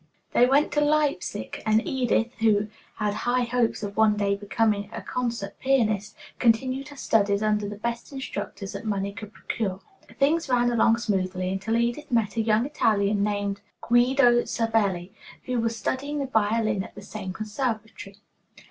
They went to Leipsic, and Edith, who had high hopes of one day becoming a concert pianiste, continued her studies under the best instructors that money could procure. Things ran along smoothly until Edith met a young Italian named Guido Savelli, who was studying the violin at the same conservatory.